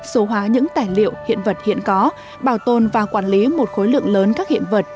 số hóa những tài liệu hiện vật hiện có bảo tồn và quản lý một khối lượng lớn các hiện vật